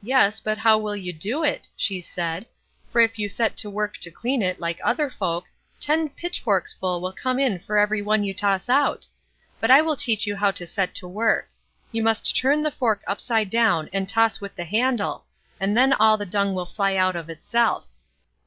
"Yes, but how will you do it", she said; "for if you set to work to clean it like other folk, ten pitchforks full will come in for every one you toss out. But I will teach you how to set to work; you must turn the fork upside down, and toss with the handle, and then all the dung will fly out of itself."